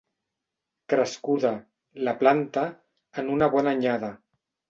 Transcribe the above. Crescuda, la planta, en una bona anyada.